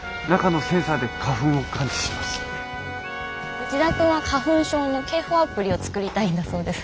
内田君は花粉症の警報アプリを作りたいんだそうです。